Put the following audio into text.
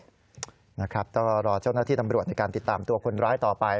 นะครับก็รอเจ้าหน้าที่ตำรวจในการติดตามตัวคนร้ายต่อไป